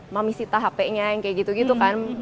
mami sitah hp nya yang kayak gitu gitu kan